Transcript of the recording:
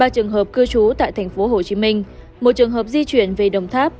ba trường hợp cư trú tại tp hcm một trường hợp di chuyển về đồng tháp